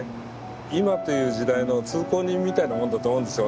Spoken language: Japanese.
今という時代の通行人みたいなもんだと思うんですよ。